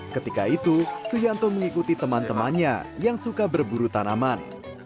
ketika itu suyanto mengikuti teman temannya yang suka berburu tanaman